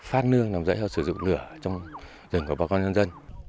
phát nương làm dễ theo sử dụng lửa trong rừng của bà con dân dân